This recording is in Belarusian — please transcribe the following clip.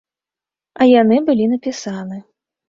А яны былі напісаны.